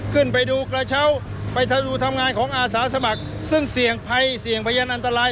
ขึ้นไปดูกระเช้าอาสาสมัครซึ่งสี่หอยันอันตราย